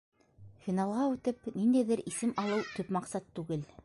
— Финалға үтеп, ниндәйҙер исем алыу төп маҡсат түгел.